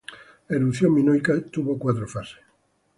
La erupción minoica tuvo cuatro fases.